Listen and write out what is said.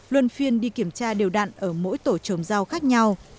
luân phiên đi kiểm tra điều đạn ở mỗi tổ trồng rau khác nhau